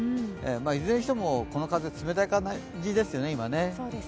いずれにしても、この風、冷たい感じですよね。